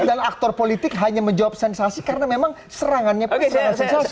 dan aktor politik hanya menjawab sensasi karena memang serangannya pun serangannya sensasi